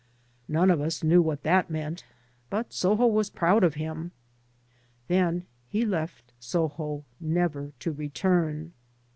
None of us knew what that meant, but Soho was proud of him. Then he left Soho never to return.